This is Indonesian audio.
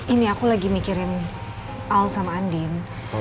ini aku lagi mikirin al sama andin